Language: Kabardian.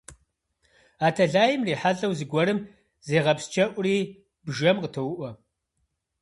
А тэлайм ирихьэлӏэу зыгуэрым зегъэпсчэуӏури бжэм къытоуӏуэ.